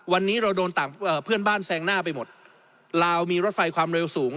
วันนี้เราโดนต่างเพื่อนบ้านแซงหน้าไปหมดลาวมีรถไฟความเร็วสูง